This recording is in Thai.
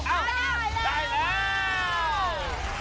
ได้แล้ว